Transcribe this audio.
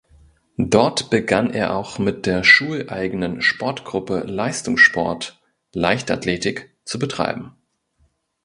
Dort begann er auch mit der schuleigenen Sportgruppe Leistungssport (Leichtathletik) zu betreiben.